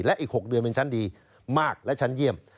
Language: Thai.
และอีก๖เดือนเป็นชั้นดีมากและชั้นเยี่ยม